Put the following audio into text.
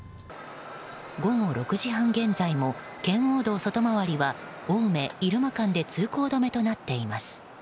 午後６時半現在も圏央道外回りは青梅入間間で通行止めとなっています。